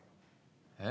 えっ？